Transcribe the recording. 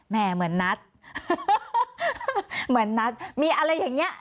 เหมือนนัทเหมือนนัทมีอะไรอย่างนี้